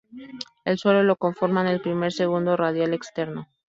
El suelo lo conforman el primer y segundo radial externo.